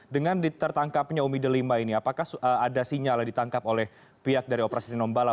dengan ditertangkapnya umi delima ini apakah ada sinyal yang ditangkap oleh pihak dari operasi tinombala